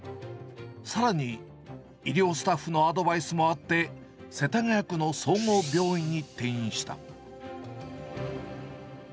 さらに医療スタッフのアドバイスもあって、世田谷区の総合病院に転院した。